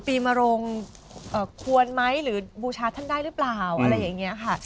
ปีมรงควรไหมหรือบูชาท่านได้หรือเปล่าอะไรอย่างนี้ค่ะ